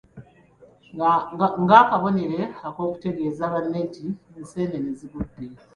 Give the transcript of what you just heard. Ng'akabonero ak'okutegeeza banne nti enseenene zigudde.